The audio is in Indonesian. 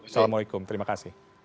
salamualaikum terima kasih